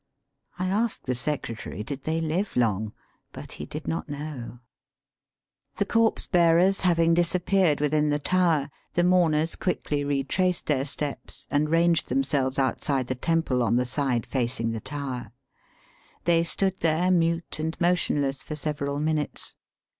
I asked the secretary did they live long ; but he did not know. The corpse bearers having disappeared within the tower, the mourners quickly re traced their steps and ranged themselves out side the temple on the side facing the tower. They stood there mute and motionless for several minutes.